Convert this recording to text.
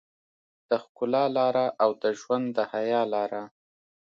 د ښکلا لاره او د ژوند د حيا لاره.